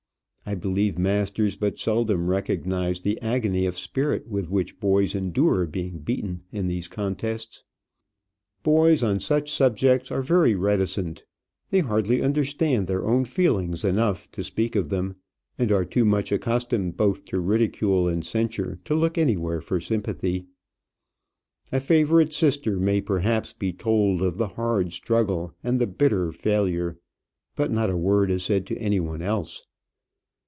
I believe masters but seldom recognize the agony of spirit with which boys endure being beaten in these contests. Boys on such subjects are very reticent; they hardly understand their own feelings enough to speak of them, and are too much accustomed both to ridicule and censure to look anywhere for sympathy. A favourite sister may perhaps be told of the hard struggle and the bitter failure, but not a word is said to any one else.